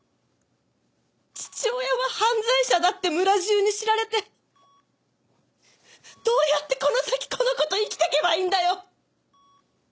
父親は犯罪者だって村中に知られてどうやってこの先この子と生きていけばいいんだよ！